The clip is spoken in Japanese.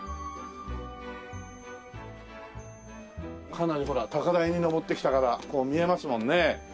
かなりほら高台に上ってきたからこう見えますもんね。